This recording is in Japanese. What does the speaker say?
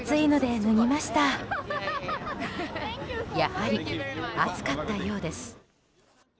やはり暑かったようです。